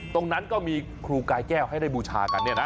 ตรงนั้นก็มีครูกายแก้วให้ได้บูชากันเนี่ยนะ